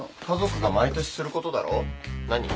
家族が毎年することだろ何？